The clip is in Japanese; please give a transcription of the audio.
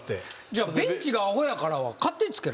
じゃあ「ベンチがアホやから」は勝手に付けられてる？